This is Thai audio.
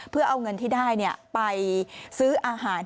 เพื่อเอาเงินที่ได้ไปซื้ออาหาร